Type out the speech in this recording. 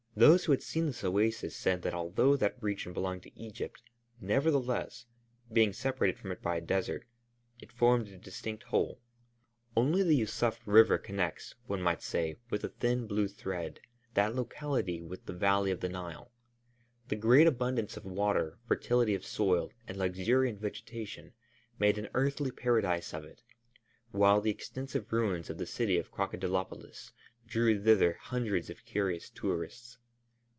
Those who had seen this oasis said that although that region belonged to Egypt, nevertheless, being separated from it by a desert, it formed a distinct whole. Only the Yûsuf River connects, one might say with a thin blue thread, that locality with the valley of the Nile. The great abundance of water, fertility of soil, and luxuriant vegetation made an earthly paradise of it, while the extensive ruins of the city of Crocodilopolis drew thither hundreds of curious tourists.